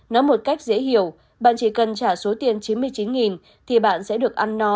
nói một cách dễ hiểu bạn chỉ cần trả số tiền chín mươi chín thì bạn sẽ được ăn nó